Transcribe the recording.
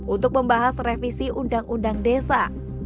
untuk membahas revisi uu desa